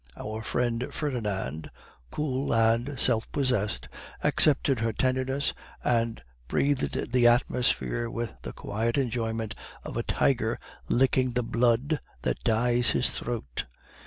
Our friend Ferdinand, cool and self possessed, accepted her tenderness, and breathed the atmosphere with the quiet enjoyment of a tiger licking the blood that dyes his throat.